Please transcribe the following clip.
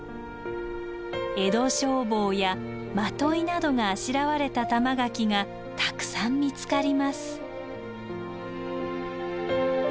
「江戸消防」や「まとい」などがあしらわれた玉垣がたくさん見つかります。